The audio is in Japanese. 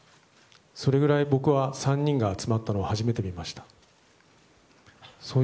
それぐらい僕は３人が集まったのは初めて見ました。